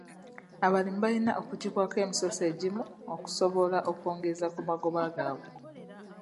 Abalimi balina okuggyibwako emisoso egimu okusobola okwongeza ku magoba gaabwe.